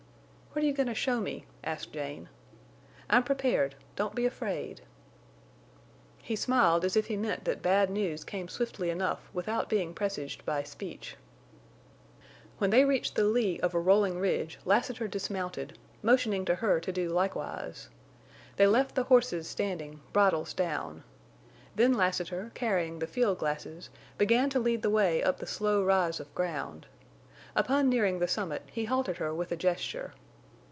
"What are you going to show me?" asked Jane. "I'm prepared—don't be afraid." He smiled as if he meant that bad news came swiftly enough without being presaged by speech. When they reached the lee of a rolling ridge Lassiter dismounted, motioning to her to do likewise. They left the horses standing, bridles down. Then Lassiter, carrying the field glasses began to lead the way up the slow rise of ground. Upon nearing the summit he halted her with a gesture.